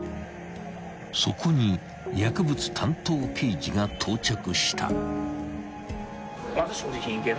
［そこに薬物担当刑事が到着した］